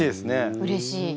うれしい。